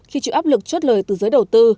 khi chịu áp lực chốt lời từ giới đầu tư